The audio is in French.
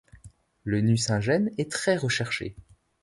Le Nucingen est très-recherché.